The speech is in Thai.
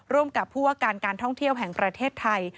ร่วมกับผู้ว่าการการท่องเที่ยวแห่งประเทศไทย